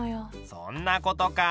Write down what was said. そんなことか。